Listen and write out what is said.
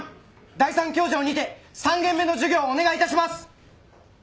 第３教場にて３限目の授業をお願いいたします。